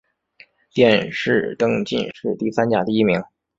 殿试登进士第三甲第一名。